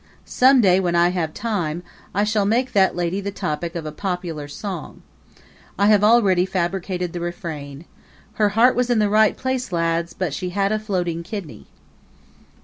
Some day when I have time, I shall make that lady the topic of a popular song. I have already fabricated the refrain: Her heart was in the right place, lads, but she had a floating kidney!